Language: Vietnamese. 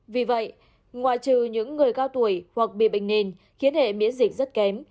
vì vậy ngoại trừ những người cao tuổi hoặc bị bệnh nền khiến hệ miễn dịch rất kém